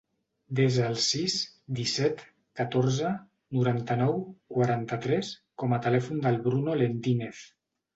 Desa el sis, disset, catorze, noranta-nou, quaranta-tres com a telèfon del Bruno Lendinez.